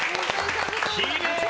きれい！